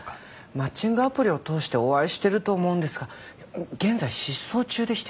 マッチングアプリを通してお会いしてると思うんですが現在失踪中でして。